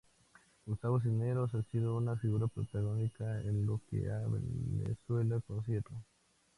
Gustavo Cisneros, ha sido una figura protagónica en lo que a Venezuela concierne.